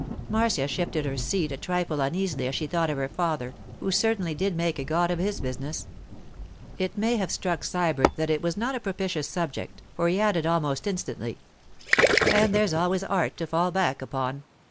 Marcia shifted her seat a trifle uneasily as she thought of her father, who certainly did make a god of his business. It may have struck Sybert that it was not a propitious subject, for he added almost instantly— 'And there's always art to fall back upon.